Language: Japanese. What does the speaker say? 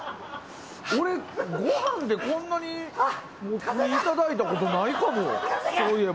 俺、ごはんでこんなにモツ煮いただいたことないかも。